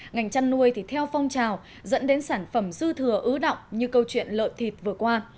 ngành chăn nuôi thì theo phong trào dẫn đến sản phẩm dư thừa ứ động như câu chuyện lợn thịt vừa qua